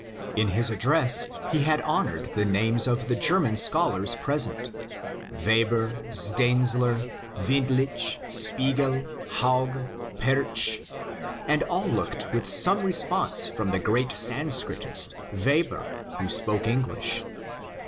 In his address he had honoured the names of the German scholars present, — Weber, Stenzler, Windisch, Spiegel, Uaug, Pertsch, and all looked for some response from the great Sanskritist, Weber, who spoke English.